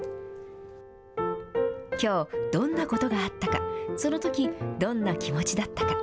きょう、どんなことがあったか、そのとき、どんな気持ちだったか。